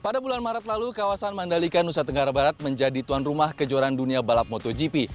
pada bulan maret lalu kawasan mandalika nusa tenggara barat menjadi tuan rumah kejuaraan dunia balap motogp